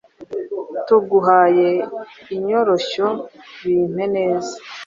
tuguhaye, Inyoroshyo, Bimpe neza,